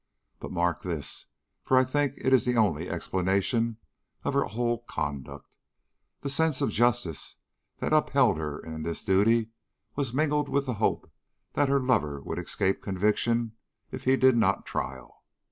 But mark this, for I think it is the only explanation of her whole conduct the sense of justice that upheld her in this duty was mingled with the hope that her lover would escape conviction if he did not trial.